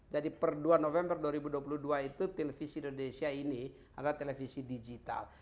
jadi per dua november dua ribu dua puluh dua itu televisi indonesia ini adalah televisi digital